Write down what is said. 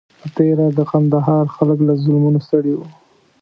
په تېره د کندهار خلک له ظلمونو ستړي وو.